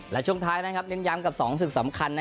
และช่วงท้ายเน้นย้ำกับ๒ศึกสำคัญ